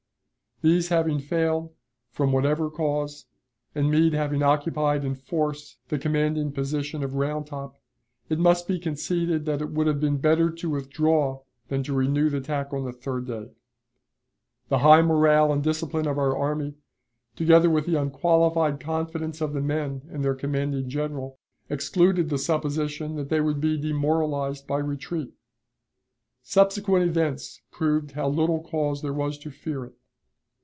These having failed, from whatever cause, and Meade having occupied in force the commanding position of Round Top, it must be conceded that it would have been better to withdraw than to renew the attack on the third day. The high morale and discipline of our army, together with the unqualified confidence of the men in their commanding General, excluded the supposition that they would be demoralized by retreat. Subsequent events proved how little cause there was to fear it.